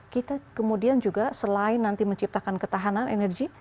kita kemudian juga selain nanti menciptakan ketahanan energi